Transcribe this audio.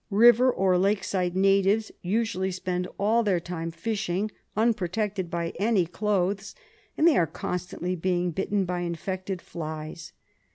River or lake side natives usually spend all their time fishing, unprotected by any clothes, and they are constantly being bitten by infected flies.